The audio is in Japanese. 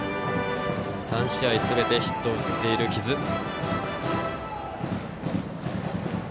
３試合すべてヒットを打っている木津。